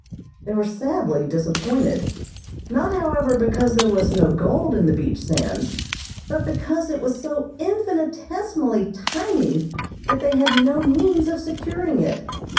They were sadly disappointed. Not, however, because there was no gold in the beach sands, but because it was so infinitesimally tiny that they had no means of securing it.